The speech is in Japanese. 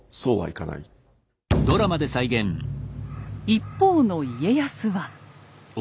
一方の家康は。